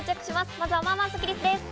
まずはまあまあスッキりすです。